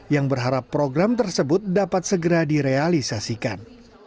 yang berharap program tersebut dapat segera direalisasikan